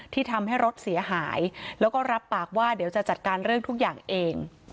ที่ทำให้รถเสียหายแล้วก็รับปากว่าเดี๋ยวจะจัดการเรื่องทุกอย่างเอง